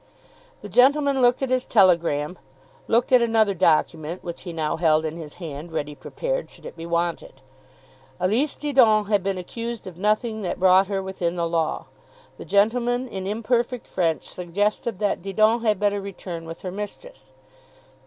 The gentleman looked at his telegram, looked at another document which he now held in his hand, ready prepared, should it be wanted. Elise Didon had been accused of nothing that brought her within the law. The gentleman in imperfect French suggested that Didon had better return with her mistress.